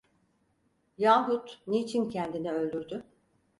Yahut niçin kendini öldürdü?